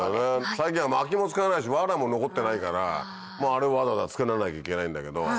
最近は薪も使わないし藁も残ってないからあれをわざわざ作らなきゃいけないんだけど。